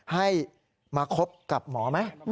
ให้มาคบกับหมอไหม